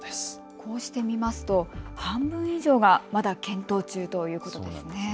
こうして見ますと、半分以上がまだ検討中ということですね。